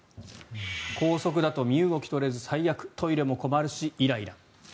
高速だと身動き取れず最悪トイレも困るしイライラ。